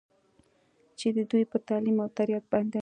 چې د دوي پۀ تعليم وتربيت باندې